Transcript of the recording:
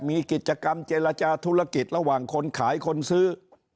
มีกิจกรรมเจรจาธุรกิจระหว่างคนขายคนซื้อ